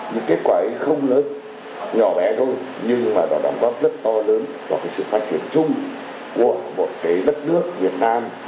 những kết quả ấy không lớn nhỏ bé thôi nhưng mà đoạn đoán góp rất to lớn vào sự phát triển chung của một đất nước việt nam